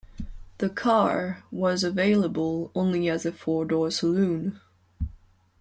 The car was available only as a four-door saloon.